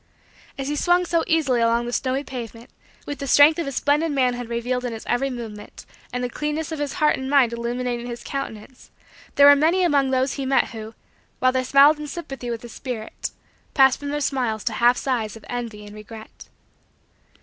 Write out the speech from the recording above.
As he swung so easily along the snowy pavement, with the strength of his splendid manhood revealed in every movement and the cleanness of his heart and mind illuminating his countenance, there were many among those he met who, while they smiled in sympathy with his spirit, passed from their smiles to half sighs of envy and regret.